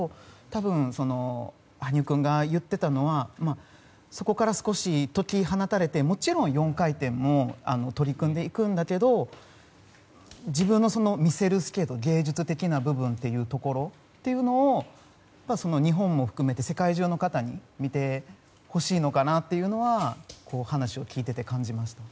多分、羽生君が言っていたのはそこから少し解き放たれてもちろん４回転も取り組んでいくんだけど自分の見せるスケート芸術的な部分というところを日本も含めて世界中の方に見てほしいのかなっていうのは話を聞いてて感じました。